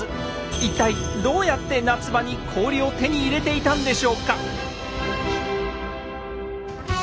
一体どうやって夏場に氷を手に入れていたんでしょうか？